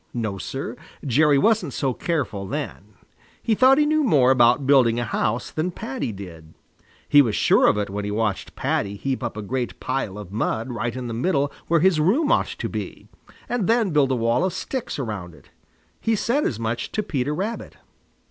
No, Sir, Jerry wasn't so careful then. He thought he knew more about building a house than Paddy did. He was sure of it when he watched Paddy heap up a great pile of mud right in the middle where his room ought to be, and then build a wall of sticks around it. He said as much to Peter Rabbit.